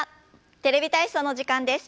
「テレビ体操」の時間です。